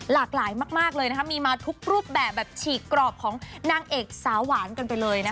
หลากหลายมากเลยนะคะมีมาทุกรูปแบบแบบฉีกกรอบของนางเอกสาวหวานกันไปเลยนะคะ